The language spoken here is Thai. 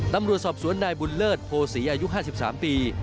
ตำรวจสอบสวนนายบุญเลิศโพศีอายุ๕๓ปี